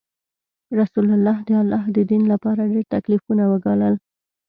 رسول الله د الله د دین لپاره ډیر تکلیفونه وګالل.